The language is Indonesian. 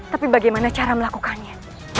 tapi bagaimana cara melakukannya